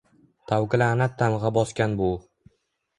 Tavqi laʼnat tamgʼa bosgan bu